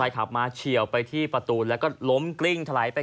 ขับมาเฉียวไปที่ประตูแล้วก็ล้มกลิ้งถลายไป